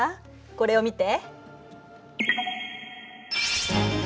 これを見て。